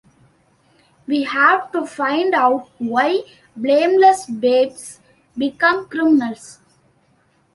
We have to find out why blameless babes become criminals.